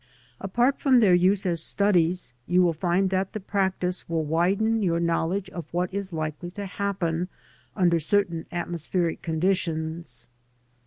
Apart from their use as studies, you will find that the practice will widen your knowledge of what is likely to happen under certain atmospheric conditions.